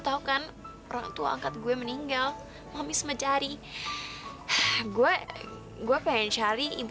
tahu kan orang tua angkat gue meninggal habis mencari gue gue pengen cari ibu